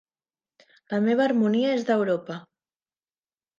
La meva harmonia és d'Europa.